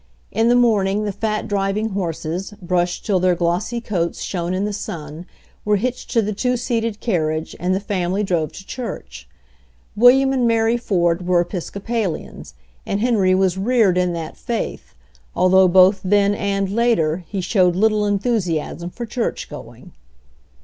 In the morning the fat driving horses, brushed till their glossy coats shone in the sun, were hitched to the two seated carriage, and the family drove to church. William and Mary Ford were Epis copalians, and Henry was reared in that faith, although both then and later he showed little enthusiasm for church going.